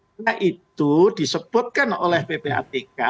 karena itu disebutkan oleh ppatk